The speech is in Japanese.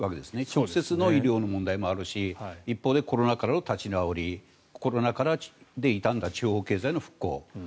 直接の医療の問題もあるし一方でコロナからの立ち直りコロナで傷んだ地方経済の復興。